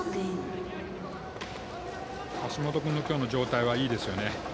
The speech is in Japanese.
橋本君の今日の状態はいいですよね。